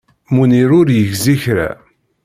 Munir ur yegzi kra.